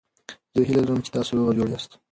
زه هیله لرم چې تاسو روغ او جوړ یاست.